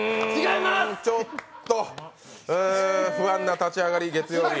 うーん、ちょっと不安な立ち上がり、月曜日。